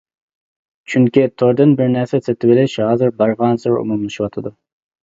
چۈنكى توردىن بىر نەرسە سېتىۋېلىش ھازىر بارغانسېرى ئومۇملىشىۋاتىدۇ.